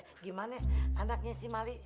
eh gimana anaknya si mali